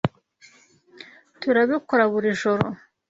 Turabikora buri joro.